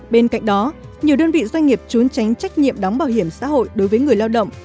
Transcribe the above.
bên cạnh đó nhiều đơn vị doanh nghiệp trốn tránh trách nhiệm đóng bảo hiểm xã hội đối với người lao động